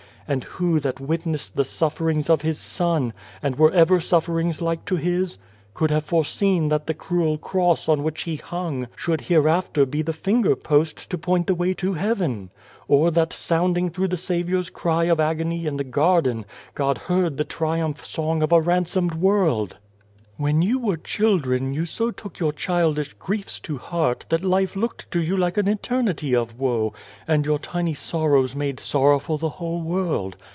And who that witnessed the sufferings of His Son and were ever sufferings like to His? could have foreseen that the cruel Cross on 45 Cod and the Ant which He hung should hereafter be the Finger post to point the way to heaven ? or that sounding through the Saviour's cry of agony in the garden, God heard the triumph song of a ransomed world ?" When you were children, you so took your childish griefs to heart that life looked to you like an eternity of woe, and your tiny sorrows made sorrowful the whole world.